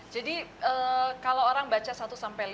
jadi kalau orang baca satu sampai lima